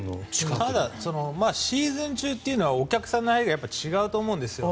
シーズン中というのとお客さんの入りが違うと思うんですよ。